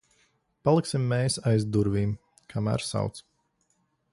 Paliksim mēs aiz durvīm, kamēr sauc.